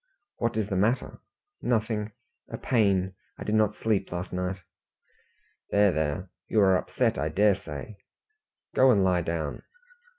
"What is the matter?" "Nothing a pain. I did not sleep last night." "There, there; you are upset, I dare say. Go and lie down."